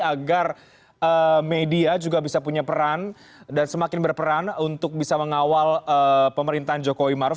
agar media juga bisa punya peran dan semakin berperan untuk bisa mengawal pemerintahan jokowi maruf